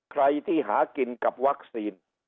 ใครที่หากินกับวัคซีน